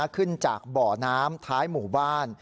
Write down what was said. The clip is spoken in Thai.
ขึ้นจากบ่อน้ำท้ายหมู่บ้าน